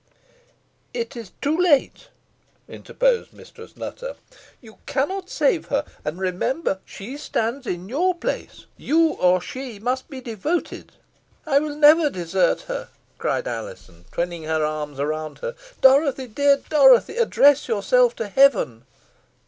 "It is too late," interposed Mistress Nutter. "You cannot save her. And, remember! she stands in your place. Or you or she must be devoted." "I will never desert her," cried Alizon, twining her arms round her. "Dorothy dear Dorothy address yourself to Heaven."